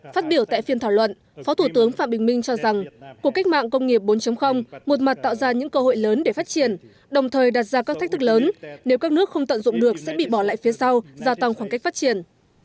phát biểu tại phiên thảo luận phó thủ tướng phạm bình minh cho rằng cuộc cách mạng công nghiệp bốn một mặt tạo ra những cơ hội lớn để phát triển đồng thời đặt ra các thách thức lớn nếu các nước không tận dụng được sẽ bị bỏ lại phía sau do tăng khoảng cách phát triển